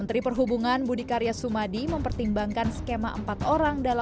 stitches supaya dipengaruhi os cheek arthur carina sanso jim panel